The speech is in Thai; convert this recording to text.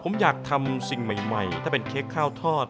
ผมอยากทำสิ่งใหม่ถ้าเป็นเค้กข้าวทอด